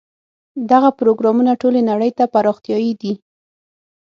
دغه پروګرامونه ټولې نړۍ ته پراختیايي دي.